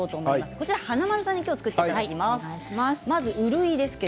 今日は華丸さんに作っていただきます。